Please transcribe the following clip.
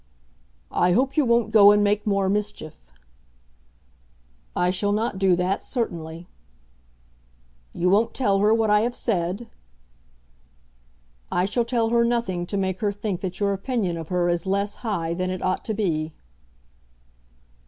"I hope you won't go and make more mischief." "I shall not do that, certainly." "You won't tell her what I have said?" "I shall tell her nothing to make her think that your opinion of her is less high than it ought to be."